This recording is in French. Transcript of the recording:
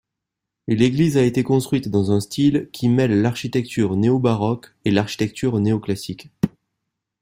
L'église a été construite dans un style qui mêle l'architecture néo-baroque et l'architecture néo-classique.